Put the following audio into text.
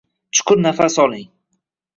Chuqur nafas oling.